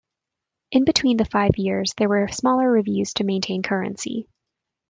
In between the five years, there were smaller reviews to maintain currency.